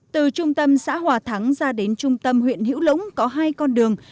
từ trung tâm xã hòa thắng ra đến trung tâm huyện hữu lũng có hai con đường